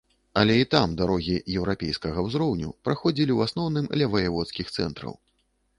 Але і там дарогі еўрапейскага ўзроўню праходзілі ў асноўным ля ваяводскіх цэнтраў.